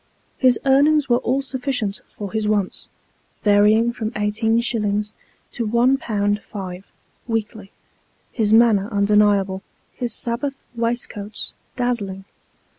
His earnings were all sufficient for his wants, varying from eighteen shillings to one pound five, weekly his manner undeniable Miss Jemina Evans. 171 his sabbath waistcoats dazzling.